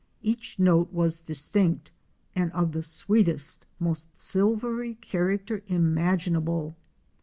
Each note was distinct, and of the sweetest, most silvery character imaginable.